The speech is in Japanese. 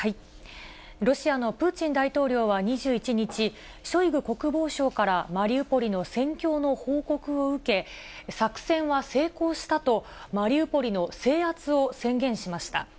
ロシアのプーチン大統領は２１日、ショイグ国防相からマリウポリの戦況の報告を受け、作戦は成功したと、マリウポリの制圧を宣言しました。